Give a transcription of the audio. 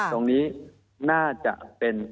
ตรงนี้น่าจะเป็น